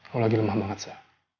gua lagi lemah banget saya